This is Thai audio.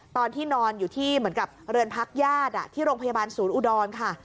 ตอนที่นอนอยู่ที่เหมือนกับเรือนพักญาติที่โรงพยาบาลศูนย์อุดรค่ะ